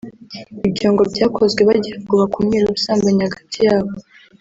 Ibyo ngo byakozwe bagira ngo bakumire ubusambanyi hagati yabo